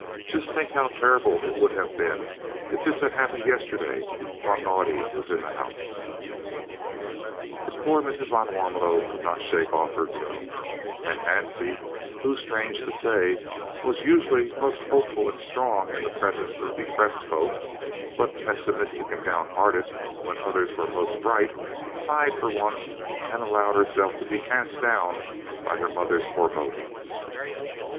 Just think how terrible it would have been if this had happened yesterday while Naudé was in the house!" But poor Mrs. van Warmelo could not shake off her gloom, and Hansie, who, strange to say, was usually most hopeful and strong in the presence of depressed folk, but pessimistic and downhearted when others were most bright, sighed for once and allowed herself to be cast down by her mother's forebodings.